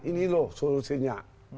ini loh solusinya